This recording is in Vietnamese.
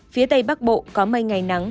phía tây bắc bộ có mây ngày nắng